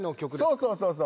そうそうそうそう！